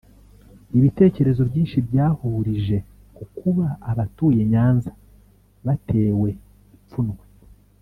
Ibitekerezo byinshi byahurije ku kuba abatuye Nyanza batewe ipfunwe